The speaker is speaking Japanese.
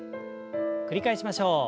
繰り返しましょう。